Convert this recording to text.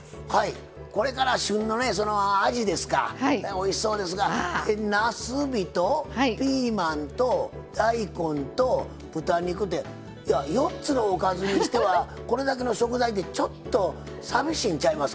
おいしそうですがなすびとピーマンと大根と豚肉って４つのおかずにしてはこれだけの食材ってちょっとさみしいんちゃいますか？